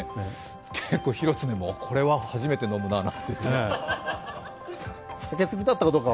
広常も、これは初めて飲むななんて言ってるかも。